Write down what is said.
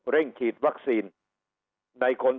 เร่งชีดวัคซีนในคน๒กลุ่มนี้